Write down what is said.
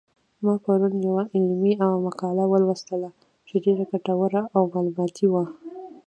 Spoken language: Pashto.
ما پرون یوه علمي مقاله ولوستله چې ډېره ګټوره او معلوماتي وه